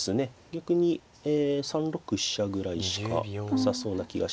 逆に３六飛車ぐらいしかなさそうな気がします。